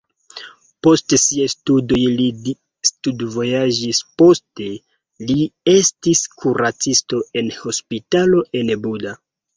Post siaj studoj li studvojaĝis, poste li estis kuracisto en hospitalo en Buda.